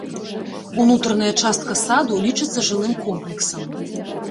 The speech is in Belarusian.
Унутраная частка саду лічыцца жылым комплексам.